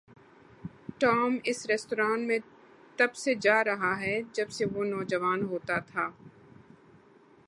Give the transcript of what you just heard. Tom اس restaurant میں تب سے جا رہا ہے جب سے وہ نوجوان ہوتا تھا۔